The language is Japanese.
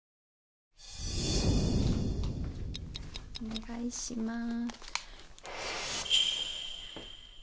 お願いします。